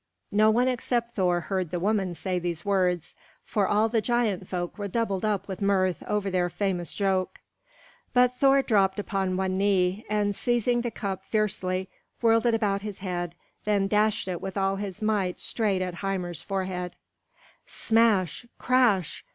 No one except Thor heard the woman say these words, for all the giant folk were doubled up with mirth over their famous joke. But Thor dropped upon one knee, and seizing the cup fiercely, whirled it about his head, then dashed it with all his might straight at Hymir's forehead. Smash! Crash!